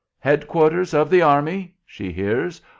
"Head quarters of the Army," she hears.